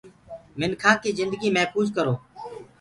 مکيآنٚ ڪي جنگي مهڦوج ڪرو۔